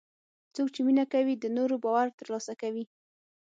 څوک چې مینه کوي، د نورو باور ترلاسه کوي.